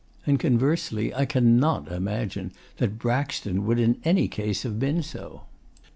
And conversely I cannot imagine that Braxton would in any case have been so.